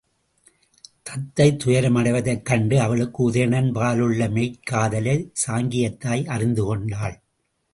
தத்தை துயரமடைவதைக் கண்டு, அவளுக்கு உதயணன் பாலுள்ள மெய்க் காதலைச் சாங்கியத் தாய் அறிந்து கொண்டாள்.